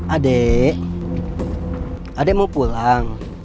adek adek mau pulang